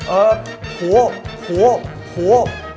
เออหัวหัวหัว